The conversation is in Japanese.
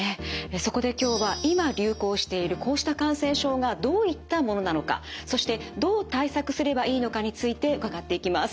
そこで今日は今流行しているこうした感染症がどういったものなのかそしてどう対策すればいいのかについて伺っていきます。